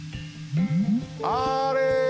あれ！